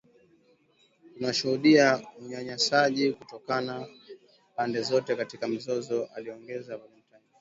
Tunashuhudia unyanyasaji kutoka pande zote katika mzozo, aliongeza Valentine